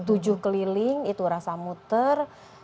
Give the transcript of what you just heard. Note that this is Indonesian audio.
tujuh keliling itu rasa muter